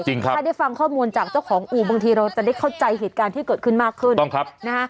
ถ้าได้ฟังข้อมูลจากเจ้าของอู่บางทีเราจะได้เข้าใจเหตุการณ์ที่เกิดขึ้นมากขึ้นนะฮะ